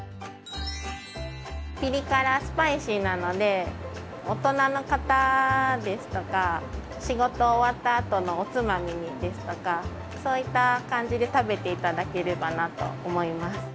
ピリ辛スパイシーなので大人の方ですとか仕事終わったあとのおつまみにですとかそういった感じで食べていただければなと思います。